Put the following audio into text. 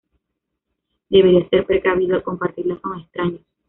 Deberías ser precavido al compartirla con extraños".